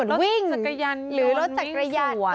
รถจักรยันย์หรือรถวิ่งสวน